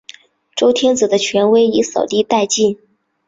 周天子的权威已扫地殆尽了。